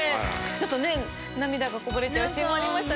ちょっと涙がこぼれちゃうシーンもありました。